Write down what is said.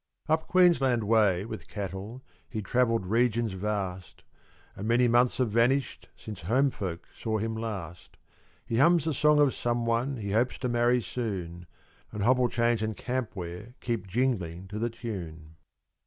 Up Queensland way with cattle He travelled regions vast; And many months have vanished Since home folk saw him last. He hums a song of someone He hopes to marry soon; And hobble chains and camp ware Keep jingling to the tune.